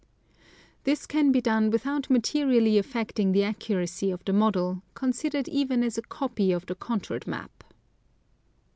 This can be done without materially affecting the accuracy of the model, considered even as a copy of the contoured map.